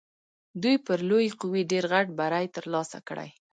دوی پر لویې قوې ډېر غټ بری تر لاسه کړی.